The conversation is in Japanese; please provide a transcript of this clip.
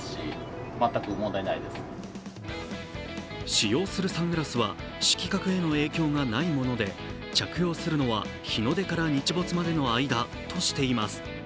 使用するサングラスは色覚への影響がないもので着用するのは、日の出から日没までの間としています。